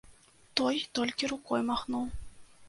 Той толькі рукой махнуў.